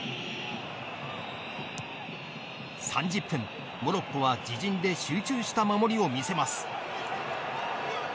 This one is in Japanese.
３０分、モロッコは自陣で集中した守りを見せます。